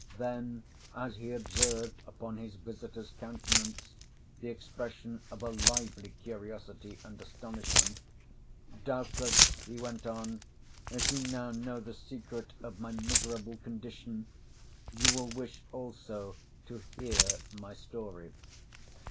Then as he observed upon his visitor's countenance the expression of a lively curiosity and astonishment, "Doubtless," he went on, "as you now know the secret of my miserable condition you will wish also to hear my story."